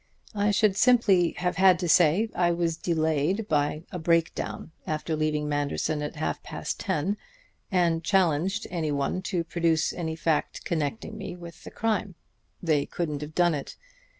I should simply have had to say I was delayed by a break down after leaving Manderson at half past ten, and challenged any one to produce any fact connecting me with the crime. They couldn't have done it.